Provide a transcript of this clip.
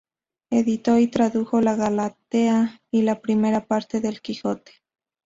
Editó y tradujo la "Galatea" y la primera parte del "Quijote".